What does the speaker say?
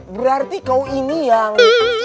berarti kau ini yang